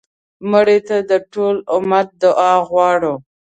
مړه ته د ټول امت دعا غواړو